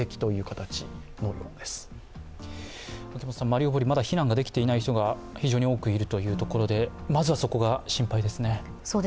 マリウポリ、まだ避難できていない人が非常に多くいるというところで、まずはそこが心配ですね。